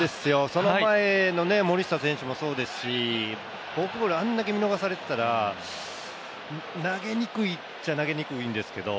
その前の森下選手もそうですしフォークボール、あんだけ見逃されていたら投げにくいっちゃ投げにくいんですけど